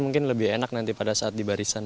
mungkin lebih enak pada saat dibariskan